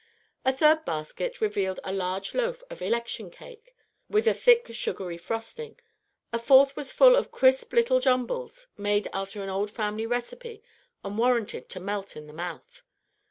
A third basket revealed a large loaf of "Election Cake," with a thick sugary frosting; a fourth was full of crisp little jumbles, made after an old family recipe and warranted to melt in the mouth.